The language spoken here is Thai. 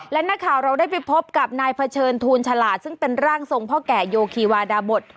และนักข่าวเราได้ไปพบกับนายเผชิญทูลฉลาดซึ่งเป็นร่างทรงพ่อแก่โยคีวาดาบท